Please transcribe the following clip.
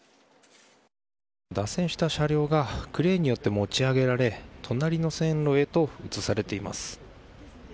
脱線した車両がクレーンによって持ち上げられ隣の線路へと移されています。